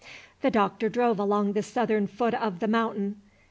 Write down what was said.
The Doctor drove along the southern foot of The Mountain.